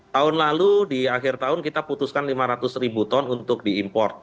tahun lalu di akhir tahun kita putuskan lima ratus ribu ton untuk diimport